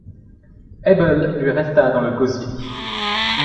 Able lui resta dans le gosier.